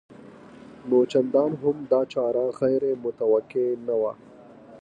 نو چندان هم دا چاره غیر متوقع نه وه